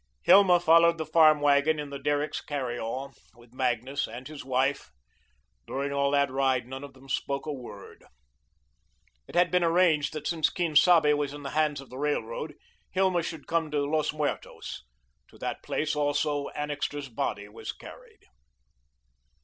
Hilma followed the farm wagon in the Derricks' carry all, with Magnus and his wife. During all that ride none of them spoke a word. It had been arranged that, since Quien Sabe was in the hands of the Railroad, Hilma should come to Los Muertos. To that place also Annixter's body was carried.